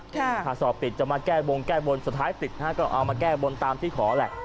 ถ้าสอบติดจะมาแก้บงแก้บนสุดท้ายติดนะฮะก็เอามาแก้บนตามที่ขอแหละ